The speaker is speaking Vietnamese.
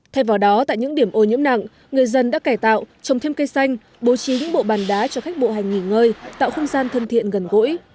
thay vào đó tại những điểm ô nhiễm nặng người dân đã cải tạo trồng thêm cây xanh bố trí những bộ bàn đá cho khách bộ hành nghỉ ngơi tạo không gian thân thiện gần gũi